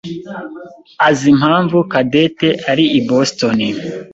azi impamvu Cadette ari i Boston.